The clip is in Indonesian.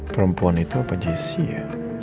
perempuan itu apa jessi ya